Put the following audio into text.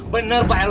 bener pak rw